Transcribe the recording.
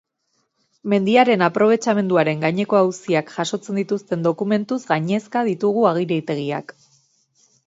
Mendiaren aprobetxamenduaren gaineko auziak jasotzen dituzten dokumentuz gainezka ditugu agiritegiak.